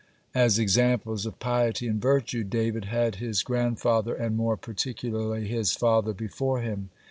As examples of piety and virtue, David had his grandfather and more particularly his father before him.